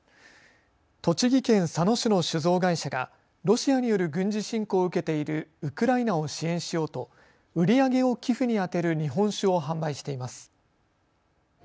栃木県佐野市の酒造会社がロシアによる軍事侵攻を受けているウクライナを支援しようと売り上げを寄付に充てる日本酒を販売しています。